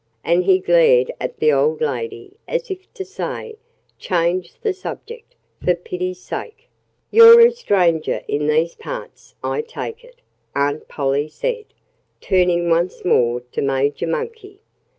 And he glared at the old lady as if to say: "Change the subject for pity's sake!" "You're a stranger in these parts, I take it," Aunt Polly said, turning once more to Major Monkey.